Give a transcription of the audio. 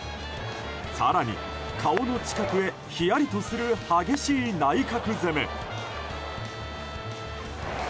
更に顔の近くへひやりとする激しい内角攻め。